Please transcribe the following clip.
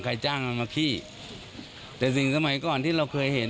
ใครจ้างเอามาขี้แต่สิ่งสมัยก่อนที่เราเคยเห็น